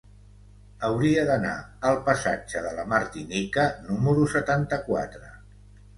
Hauria d'anar al passatge de la Martinica número setanta-quatre.